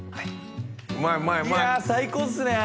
いや最高っすね！